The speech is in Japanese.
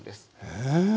へえ。